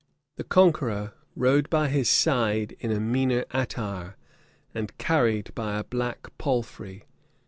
The conqueror rode by his side in a meaner attire, and carried by a black palfrey.